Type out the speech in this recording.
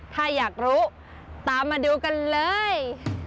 ถ้าอยากรู้ตามมาดูกันเลย